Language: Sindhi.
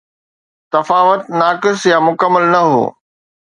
تفاوت ناقص يا مڪمل نه هو